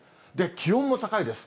気温も高いです。